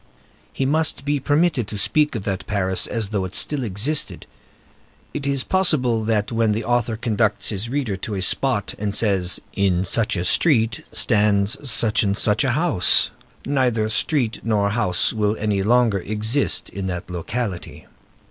He must be permitted to speak of that Paris as though it still existed. It is possible that when the author conducts his readers to a spot and says, "In such a street there stands such and such a house," neither street nor house will any longer exist in that locality.